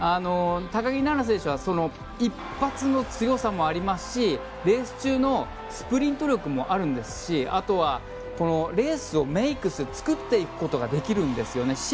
高木菜那選手は一発の強さもありますしレース中のスプリント力もありますしあとはレースをメイクする作っていくことができるんですよね。